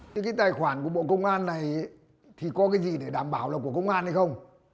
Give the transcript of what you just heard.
thế cái tài khoản của bộ công an này thì có cái gì để đảm bảo là của công an hay không